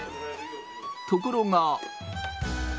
ところが。